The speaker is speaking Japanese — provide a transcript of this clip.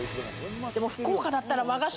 福岡だったら、和菓子